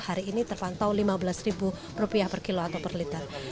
hari ini terpantau rp lima belas per kilo atau per liter